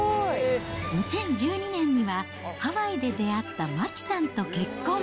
２０１２年には、ハワイで出会った真紀さんと結婚。